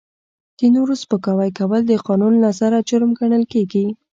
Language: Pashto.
د نورو سپکاوی کول د قانون له نظره جرم ګڼل کیږي.